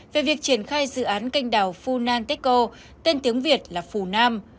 về việc triển khai dự án canh đảo phunanteco tên tiếng việt là phu nam